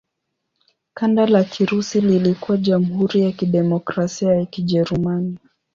Kanda la Kirusi lilikuwa Jamhuri ya Kidemokrasia ya Kijerumani.